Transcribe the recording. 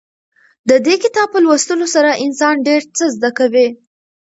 د دې کتاب په لوستلو سره انسان ډېر څه زده کوي.